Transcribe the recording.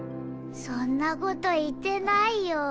そんなこと言ってないよ。